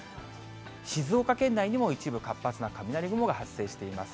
静岡県内にも一部活発な雷雲が発生しています。